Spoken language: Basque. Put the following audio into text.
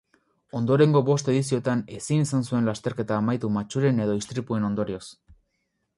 Ondorengo bost edizioetan ezin izan zuen lasterketa amaitu matxuren edo istripuen ondorioz.